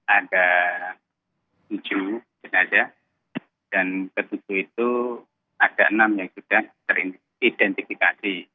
ada tujuh jenazah dan ketujuh itu ada enam yang sudah teridentifikasi